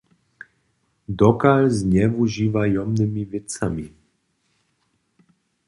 Dokal z njewužiwajomnymi wěcami?